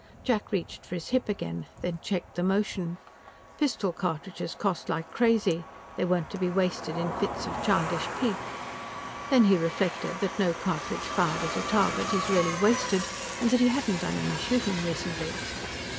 Jack reached for his hip again, then checked the motion. Pistol cartridges cost like crazy; they weren't to be wasted in fits of childish pique. Then he reflected that no cartridge fired at a target is really wasted, and that he hadn't done any shooting recently.